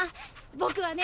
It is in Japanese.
僕はね